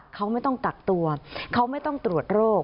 เขาไม่ต้องกักตัวเขาไม่ต้องตรวจโรค